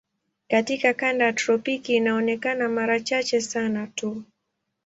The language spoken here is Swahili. Katika kanda ya tropiki inaonekana mara chache sana tu.